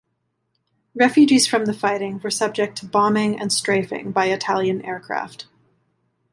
Refugees from the fighting were subject to bombing and strafing by Italian aircraft.